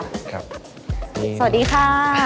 สวัสดีค่ะ